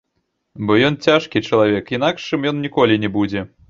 Бо ён цяжкі чалавек, інакшым ён ніколі не будзе.